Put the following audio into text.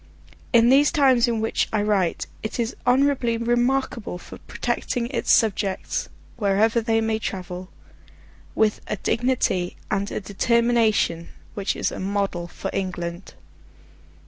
In these times in which I write, it is honourably remarkable for protecting its subjects, wherever they may travel, with a dignity and a determination which is a model for England.